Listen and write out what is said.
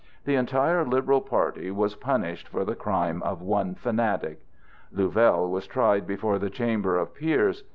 The entire liberal party was punished for the crime of one fanatic. Louvel was tried before the Chamber of Peers.